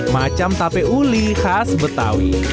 macam tape uli khas betawi